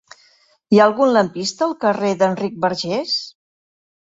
Hi ha algun lampista al carrer d'Enric Bargés?